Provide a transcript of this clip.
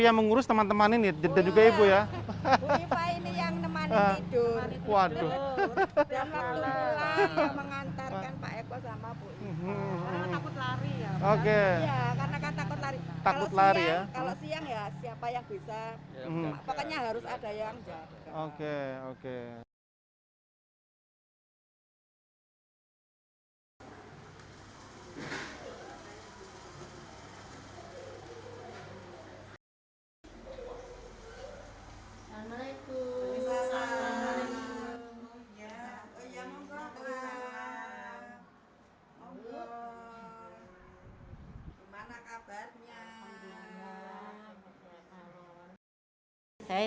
semoga semuanya sidedahan karena behaviour baby